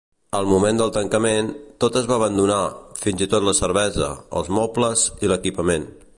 Al moment del tancament, tot es va abandonar, fins i tot la cervesa, els mobles i l'equipament.